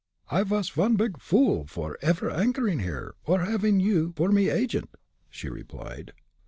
"I vas one big fool for evaire anchoring here, or having you for me agent," she replied.